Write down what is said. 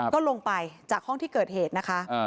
ก็ลงไปจากห้องที่เกิดเหตุนะคะ